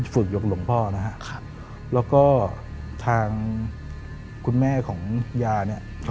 หยกหลวงพ่อนะครับแล้วก็ทางคุณแม่ของยาเนี่ย